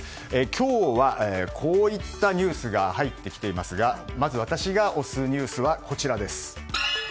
今日は、こういったニュースが入ってきていますがまず、私が推すニュースはこちらです。